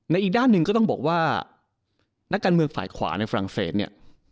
อีกด้านหนึ่งก็ต้องบอกว่านักการเมืองฝ่ายขวาในฝรั่งเศสเนี่ย